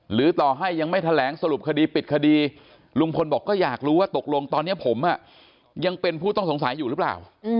หรือต่อให้ยังไม่แถลงสรุปคดีปิดคดีลุงพลบอกก็อยากรู้ว่าตกลงตอนนี้ผมยังเป็นผู้ต้องสงสัยอยู่หรือเปล่า